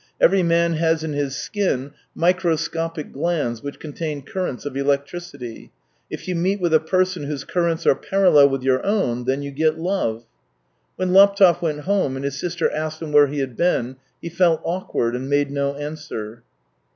" Every man has in his skin microscopic glands which contain currents of electricity. If you meet with a person whose currents are parallel with your own. then you get love." 214 THE TALES OF TCHEHOV When Laptev went home and his sister asked him where he had been, he felt, awkward, and made no answer.